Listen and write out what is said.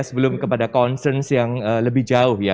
sebelum kepada concern yang lebih jauh ya